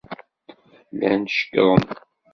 Llan cekkḍen.